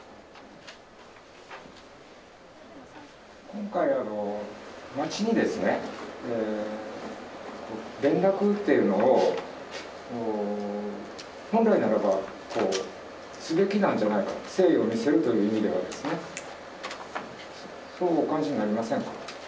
今回、町に連絡というのを本来ならば、すべきなんじゃないか、誠意を見せるという意味ではですね、そうお感じにはなりませんか。